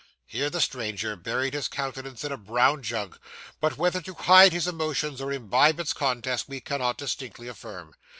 Here the stranger buried his countenance in a brown jug, but whether to hide his emotion or imbibe its contents, we cannot distinctly affirm.